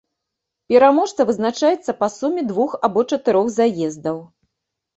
Пераможца вызначаецца па суме двух або чатырох заездаў.